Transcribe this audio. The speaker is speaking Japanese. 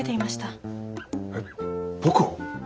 えっ僕を？